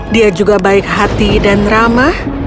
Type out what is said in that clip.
dia juga baik hati dan ramah